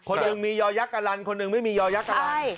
คนหนึ่งมียอยักษ์การรรณคนหนึ่งไม่มียอยักษ์การรรณใช่